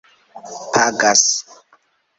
pagas